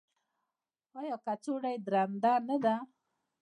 ایا کڅوړه یې درنده نه ده؟